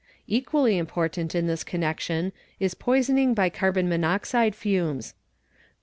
Equally — important in this connection is poisoning by carbon monoxide fumes.